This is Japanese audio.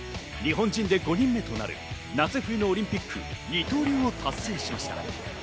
日本人で５人目となる夏冬のオリンピック、二刀流を達成しました。